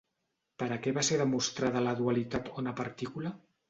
Per a què va ser demostrada la dualitat ona-partícula?